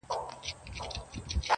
دوی دواړه بحث کوي او يو بل ته ټوکي کوي,